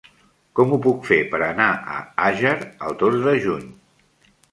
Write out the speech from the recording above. Com ho puc fer per anar a Àger el dos de juny?